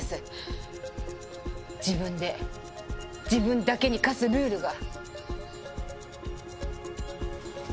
自分で自分だけに課すルールが。